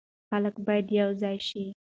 خلک باید یو ځای شي.